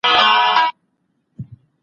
دوی د ښځو د ژوند په اړه څېړنه کوي.